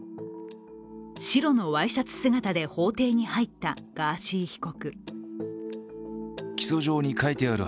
白のワイシャツ姿で法廷に入ったガーシー被告。